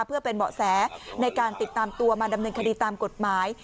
เพื่อเป็นเบาะแสในการติดตามตัวมาดำเนินคดีตามกฎหมาย